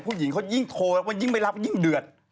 ผู้หญิงเขายิ่งโทรว่ายิ่งไม่รับยิ่งเดือด